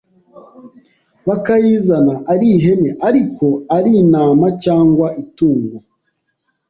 bakayizana ari ihene ariko ari intama cyangwa itungo